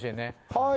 はい。